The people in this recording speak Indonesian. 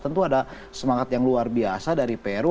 tentu ada semangat yang luar biasa dari peru